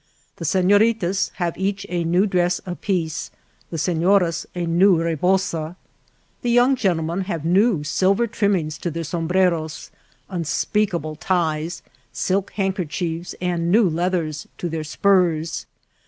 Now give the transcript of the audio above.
The sefior itas have each a new dress apiece, the sefioras a new rebosa. The young gentle men have new silver trimmings to their sombreros, unspeakable ties, silk handker chiefs, and new leathers to their spurs.